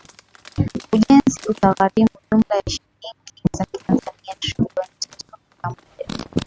Ujenzi utagharimu jumla ya shilingi za kitanzania trilioni tatu nukta moja